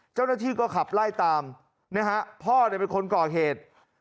เจ้าหน้าที่ก็ขับไล่ตามนะฮะพ่อเป็นคนก่อเหตุ